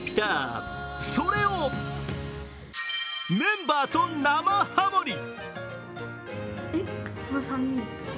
それを、メンバーと生ハモり。